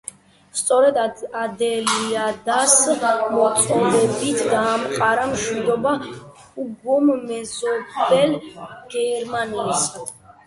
სწორედ ადელაიდას მოწოდებით დაამყარა მშვიდობა ჰუგომ მეზობელ გერმანიასთან.